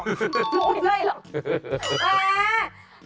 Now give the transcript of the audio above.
คืออย่างนี้ดิฉะนั้น